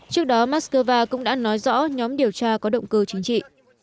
trước đó moscow cũng đã nói rõ nhóm điều tra có động cơ chính trị